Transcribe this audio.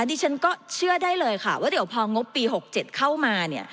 ดิฉันก็เชื่อได้เลยค่ะว่าเดี๋ยวพองบปี๖๗เข้ามาเนี่ย